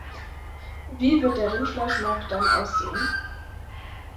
Wie wird der Rindfleischmarkt dann aussehen?